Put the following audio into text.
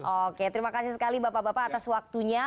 oke terima kasih sekali bapak bapak atas waktunya